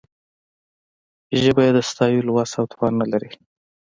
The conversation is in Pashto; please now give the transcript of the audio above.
ژبه یې د ستایلو وس او توان نه لري.